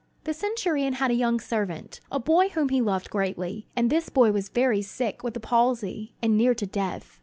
The centurion had a young servant, a boy whom he loved greatly; and this boy was very sick with a palsy, and near to death.